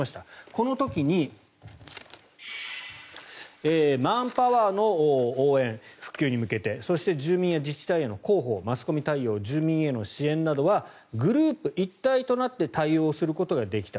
この時にマンパワーの応援復旧に向けてそして、住民や自治体への広報マスコミ対応住民への支援などはグループ一体となって対応することができた。